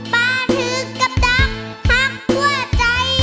ปาถือกับจักรหักกว่าใจ